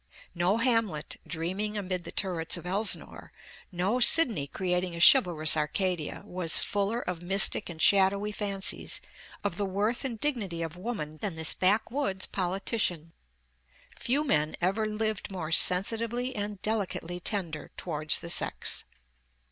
No Hamlet, dreaming amid the turrets of Elsinore, no Sidney creating a chivalrous Arcadia, was fuller of mystic and shadowy fancies of the worth and dignity of woman than this backwoods politician. Few men ever lived more sensitively and delicately tender towards the sex.